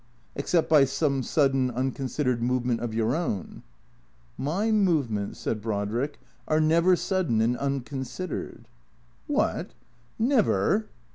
" Except by some sudden, unconsidered movement of your own ?"" My movements," said Brodrick, " are never sudden and un considered." "What? Never?"